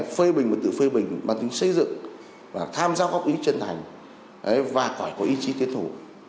phơi bình và tự phơi bình bằng tính xây dựng tham gia góp ý chân thành và phải có ý chí tiến thủ